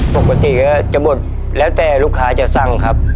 ปกติก็จะหมดแล้วแต่ลูกค้าจะสั่งครับ